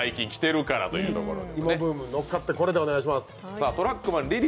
芋ブームにのっかって、これでお願いします。